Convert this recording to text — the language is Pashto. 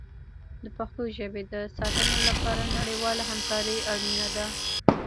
د پښتو ژبې د ساتنې لپاره نړیواله همکاري اړینه ده.